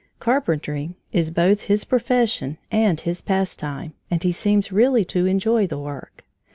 Carpentering is both his profession and his pastime, and he seems really to enjoy the work.